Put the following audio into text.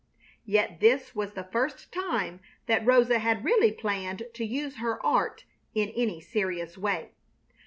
Yet this was the first time that Rosa had really planned to use her art in any serious way.